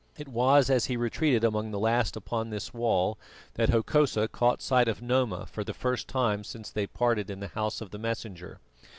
It was as he retreated among the last upon this wall that Hokosa caught sight of Noma for the first time since they parted in the house of the Messenger.